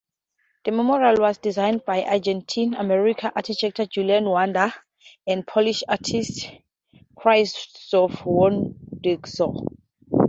The memorial was designed by Argentine–American Architect Julian Bonder and Polish artist Krzysztof Wodiczko.